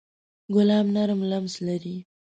ګلاب نرم لمس لري.